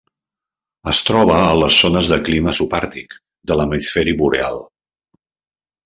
Es troba a les zones de clima subàrtic de l'hemisferi boreal.